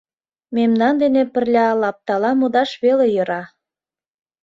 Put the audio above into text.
— Мемнан дене пырля лаптала модаш веле йӧра».